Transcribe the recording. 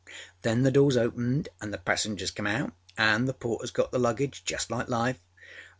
Then the doors opened and the passengers came out and the porters got the luggageâjust like life.